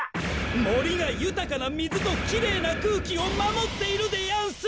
もりがゆたかなみずときれいなくうきをまもっているでやんす！